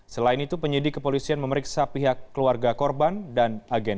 selain itu penyidik kepolisian memeriksa pihak keluarga korban dan agen